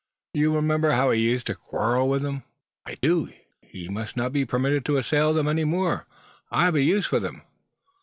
You remember how he used to quarrel with them?" "I do. He must not be permitted to assail them any more. I have a use for them."